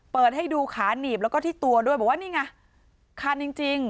เปิดให้ดูขาหนีบแล้วก็ที่ตัวด้วยบอกว่านี่ไงคันจริง